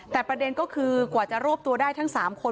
แต่ประเด็นก็คือกว่าจะรวบตัวได้ทั้ง๓คน